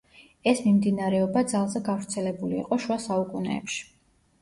ეს მიმდინარეობა ძალზე გავრცელებული იყო შუა საუკუნეებში.